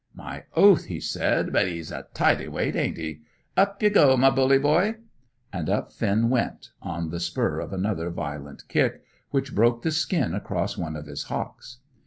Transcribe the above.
"My oath!" he said, "but 'e's a tidy weight, ain't he? Up ye go, my bully boy!" And up Finn went, on the spur of another violent kick, which broke the skin across one of his hocks.